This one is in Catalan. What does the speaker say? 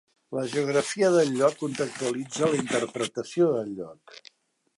La geografia del lloc contextualitza la interpretació del lloc.